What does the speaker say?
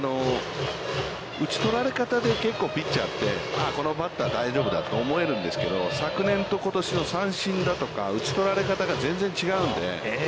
打ち取られ方で、結構ピッチャーって、このバッター大丈夫だと思えるんですけど、昨年とことしの三振だとか打ち取られ方が全然違うので。